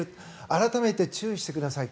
改めて注意してください。